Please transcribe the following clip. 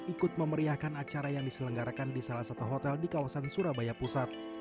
ikut memeriahkan acara yang diselenggarakan di salah satu hotel di kawasan surabaya pusat